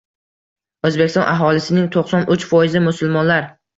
O‘zbekiston aholisining to'qson uch foizi – musulmonlar.